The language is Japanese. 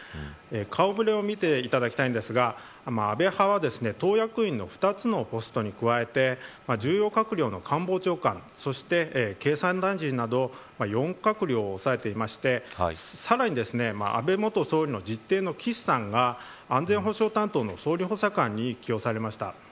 顔ぶれを見ていただきたいんですが安倍派は、党役員の２つのポストに加えて重要閣僚の官房長官そして経産大臣など４閣僚を押さえていましてさらに安倍元総理の実弟の岸さんが安全保障担当の総理補佐官に起用されました。